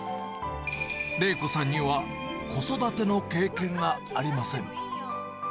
玲子さんには、子育ての経験がありません。